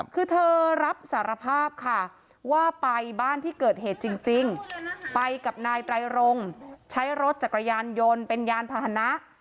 คือเธอรับสารภาพค่ะว่าไปบ้านที่เกิดเหตุจริงไปกับนายไตรรงใช้รถจักรยานยนต์เป็นยานพาหนะ